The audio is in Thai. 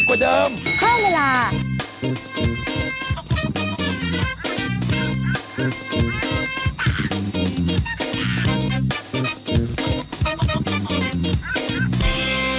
ข้อมูลล่ะ